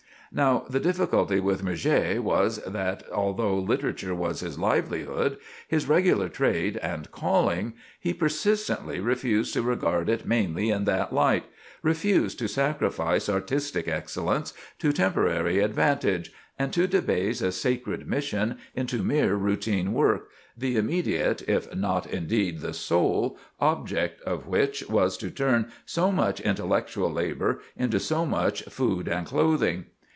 Now, the difficulty with Murger was, that although literature was his livelihood, his regular trade and calling, he persistently refused to regard it mainly in that light—refused to sacrifice artistic excellence to temporary advantage, and to debase a sacred mission into mere routine work, the immediate, if not indeed the sole, object of which was to turn so much intellectual labor into so much food and clothing.